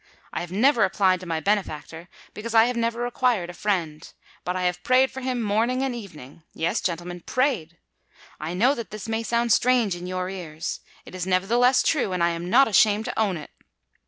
I have never applied to my benefactor—because I have never required a friend. But I have prayed for him morning and evening—yes, gentlemen, prayed! I know that this may sound strange in your ears: it is nevertheless true—and I am not ashamed to own it.